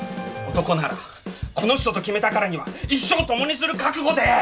男ならこの人と決めたからには一生を共にする覚悟で。